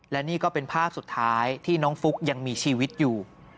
และนี่ก็เป็นภาพสุดท้ายที่น้องฟุ๊กยังมีชีวิตอยู่